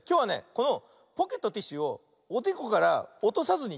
このポケットティッシュをおでこからおとさずにたつよ。